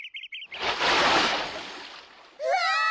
うわ！